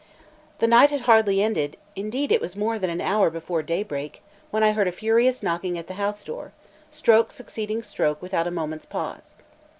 The night had hardly ended, indeed it was more than an hour before daybreak, when I heard a furious knocking at the house door, stroke succeeding stroke without a moment's pause.